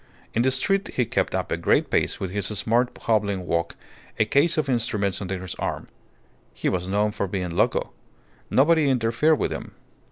In the street he kept up a great pace with his smart hobbling walk, a case of instruments under his arm. He was known for being loco. Nobody interfered with him.